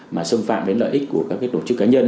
mà xâm phạm đến lợi ích của các tổ chức cá nhân